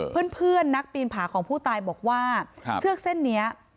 เพื่อนนักปีนผาของผู้ตายบอกว่าเชือกเส้นนี้